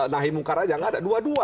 nahi mungkar saja tidak ada dua dua